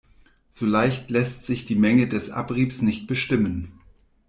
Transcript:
So leicht lässt sich die Menge des Abriebs nicht bestimmen.